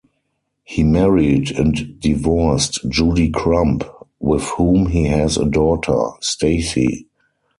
He married and divorced Judy Crump, with whom he has a daughter Stacy.